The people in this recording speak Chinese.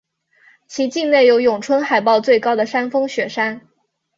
其境内有永春海报最高的山峰雪山。